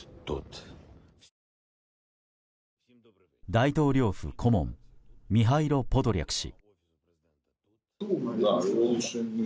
大統領府顧問ミハイロ・ポドリャク氏。